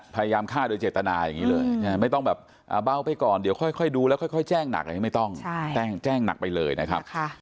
พยายามฆ่าโดยเจตนาอย่างนี้เลยไม่ต้องแบบเบาไปก่อนเดี๋ยวค่อยดูแล้วค่อยแจ้งหนักอะไรอย่างนี้ไม่ต้องแจ้งหนักไปเลยนะครับ